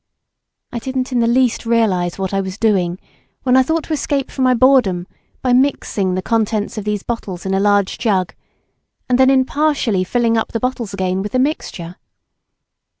I didn't in the least realise what I was doing when I thought to escape from my boredom by mixing the contents of these bottles in a large jug, and then in partially filling up the bottles again with the mixture.